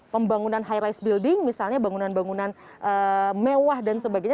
pembangunan high rise building misalnya bangunan bangunan mewah dan sebagainya